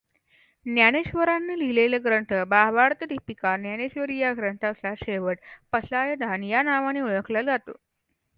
ज्ञानेश्वरांनी लिहिलेले ग्रंथ भावार्थदीपिका ज्ञानेश्वरी या ग्रंथाचा शेवट पसायदान या नावाने ओळखला जातो.